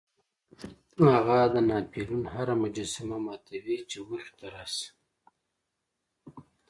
هغه د ناپلیون هره مجسمه ماتوي چې مخې ته راشي.